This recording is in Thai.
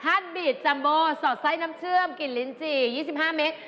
บีดจัมโบสอดไส้น้ำเชื่อมกลิ่นลิ้นจี่๒๕เมตร